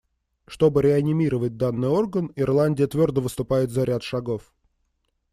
Чтобы реанимировать данный орган, Ирландия твердо выступает за ряд шагов.